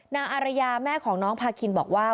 อารยาแม่ของน้องพาคินบอกว่า